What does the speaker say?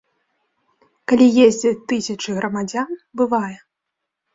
Калі ездзяць тысячы грамадзян, бывае.